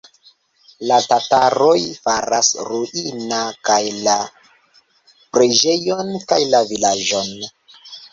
La tataroj faras ruina kaj la preĝejon, kaj la vilaĝon.